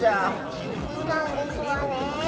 そうなんですわねえ。